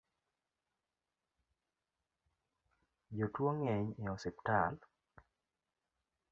Jotuo ng'eny e osiptal